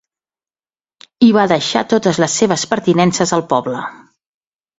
I va deixar totes les seves pertinences al poble.